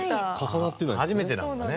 初めてなんだね。